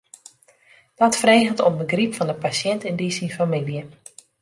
Dat freget om begryp fan de pasjint en dy syn famylje.